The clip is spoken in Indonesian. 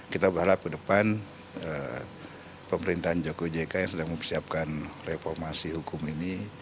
kita berharap ke depan pemerintahan jokowi jk yang sedang mempersiapkan reformasi hukum ini